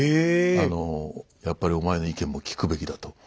あのやっぱりお前の意見も聞くべきだと。